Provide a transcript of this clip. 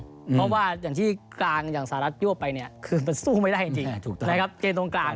เพราะว่าอย่างที่กลางอย่างสารรัฐยั่วไปคือมันสู้ไม่ได้จริง